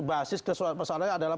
basis persoalannya adalah